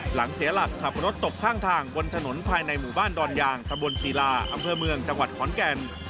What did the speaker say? เสียหลักขับรถตกข้างทางบนถนนภายในหมู่บ้านดอนยางตะบนศิลาอำเภอเมืองจังหวัดขอนแก่น